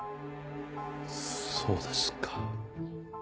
そうですか。